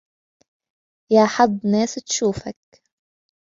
يا حظّ ناس تشوفك